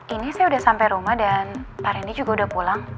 ini saya udah sampai rumah dan pak rendy juga udah pulang